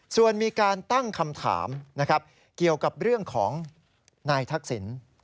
ส่วนมีการตั้งคำถามนะครับเกี่ยวกับเรื่องของนายทักษิณ